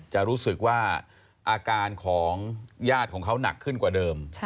จะรู้สึกว่าอาการของญาติของเขาหนักขึ้นกว่าเดิม